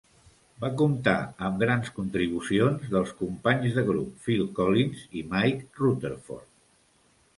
Va comptar amb grans contribucions dels companys de grup Phil Collins i Mike Rutherford.